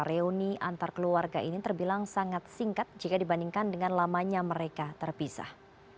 reuni antar keluarga ini terbilang sangat singkat jika dibandingkan dengan lamanya mereka terpisah